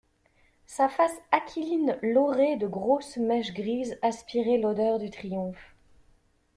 Sa face aquiline laurée de grosses mèches grises aspirait l'odeur du triomphe.